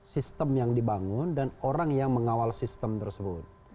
sistem yang dibangun dan orang yang mengawal sistem tersebut